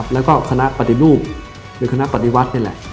แล้วก็คณะปฏิรูปหรือคณะปฏิวัตินี่แหละ